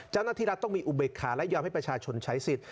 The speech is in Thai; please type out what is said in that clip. เจ้าหน้าที่รัฐต้องมีอุเบกขาและยอมให้ประชาชนใช้สิทธิ์